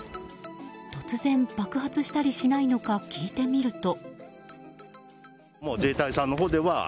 突然、爆発したりしないのか聞いてみると。